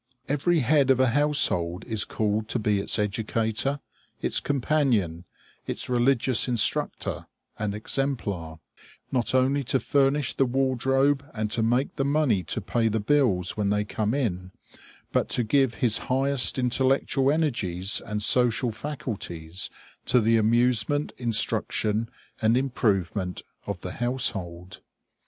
Every head of a household is called to be its educator, its companion, its religious instructor and exemplar; not only to furnish the wardrobe and to make the money to pay the bills when they come in, but to give his highest intellectual energies and social faculties to the amusement, instruction, and improvement of the household.